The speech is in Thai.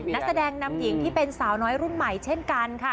นักแสดงนำหญิงที่เป็นสาวน้อยรุ่นใหม่เช่นกันค่ะ